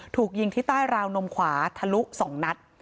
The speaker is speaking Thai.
ถูกยิงที่ใต้ราวนมขวาทะลุ๒นัด